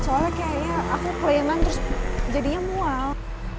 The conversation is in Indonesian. soalnya kayaknya aku bayangan terus jadinya mual